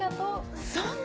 そんな！